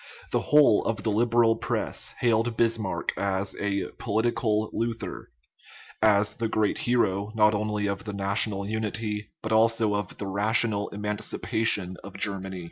The whole of the Liberal press hailed Bismarck as a " political Luther " as the great hero, not only of the national unity, but also of the rational emancipation of Germany.